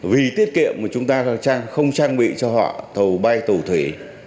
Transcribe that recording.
vì tiết kiệm mà chúng ta không trang bị cho họ thầu bay tù thủy